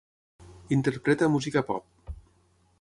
Interpreta música pop